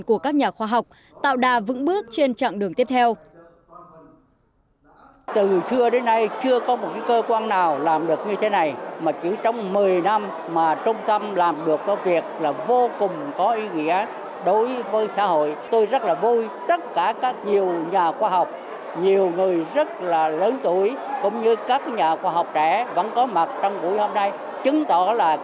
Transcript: của các nhà khoa học tạo đà vững bước trên trạng đường tiếp theo